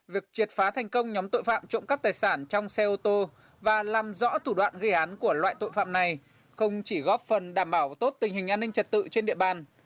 việc triệt phá thành công nhóm tội phạm trộm cắp tài sản trong xe ô tô và làm rõ thủ đoạn gây án của loại tội phạm này không chỉ góp phần đảm bảo tốt tình hình an ninh trật tự trên địa bàn